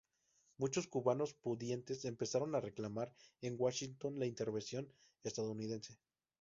Muchos cubanos pudientes empezaron a reclamar en Washington la intervención estadounidense.